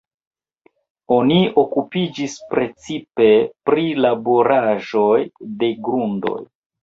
Li okupiĝis precipe pri laboraĵoj de grundoj.